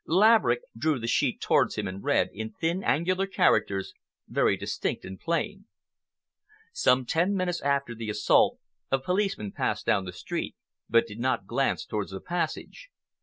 Laverick drew the sheet towards him and read, in thin, angular characters, very distinct and plain: Some ten minutes after the assault, a policeman passed down the street but did not glance toward the passage.